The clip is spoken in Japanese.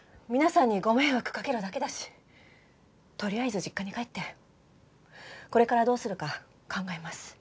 皆さんにご迷惑かけるだけだしとりあえず実家に帰ってこれからどうするか考えます。